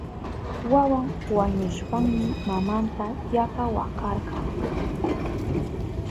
Wawan wañushpanmi mamanta yapa wakarka.